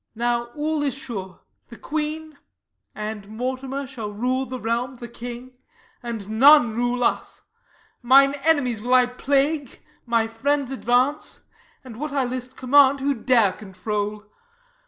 Now all is sure: the queen and Mortimer Shall rule the realm, the king; and none rule us. Mine enemies will I plague, my friends advance; And what I list command who dare control?